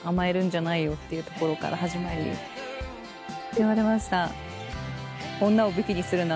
言われました。